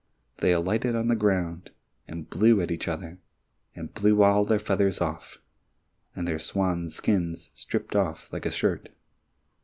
They alighted on the ground and blew at each other, and blew all the feathers off, and their swan's skins stripped off like a shirt.